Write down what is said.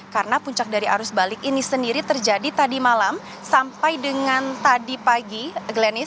karena puncak dari arus balik ini sendiri terjadi tadi malam sampai dengan tadi pagi